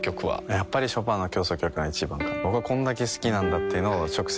やっぱりショパンの協奏曲が一番かなと僕はこれだけ好きなんだというのを直接伝えたいです